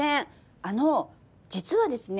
あの実はですね